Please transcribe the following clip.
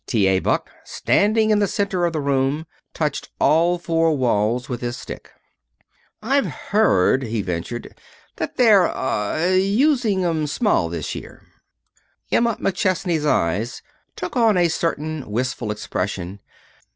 T. A. Buck, standing in the center of the room, touched all four walls with his stick. "I've heard," he ventured, "that they're ah using 'em small this year." Emma McChesney's eyes took on a certain wistful expression.